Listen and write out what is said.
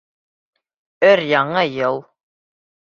ӨР-ЯҢЫ ЙЫЛ